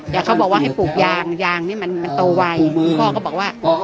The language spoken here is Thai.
อย่างเขาบอกว่าให้ปลูกยางยางนี้มันมันโตไวคุณพ่อก็บอกว่า